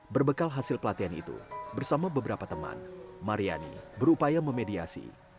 berbekal hasil pelatihan itu bersama beberapa teman mariani berupaya memediasi